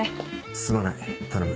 すまない頼む。